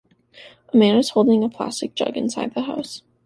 A man is holding a plastic jug inside the house.